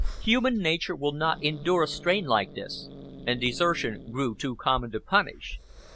Human nature will not endure a strain like this, and desertion grew too common to punish.